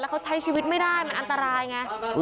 เขาใช้ชีวิตไม่ได้มันอันตรายไง